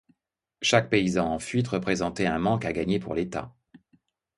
Chaque paysan en fuite représentait un manque à gagner pour l'État.